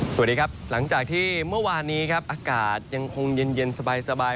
สวัสดีครับหลังจากที่เมื่อวานนี้ครับอากาศยังคงเย็นสบาย